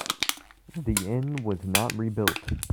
The inn was not rebuilt.